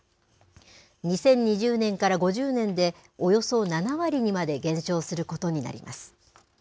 ２０２０年から５０年で、およそ７割にまで減少することになります。